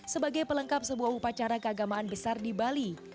sebagai pelengkap sebuah upacara keagamaan besar di bali